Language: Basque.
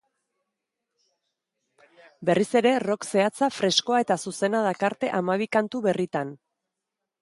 Berriz ere, rock zehatza, freskoa eta zuzena dakarte hamabi kantu berritan.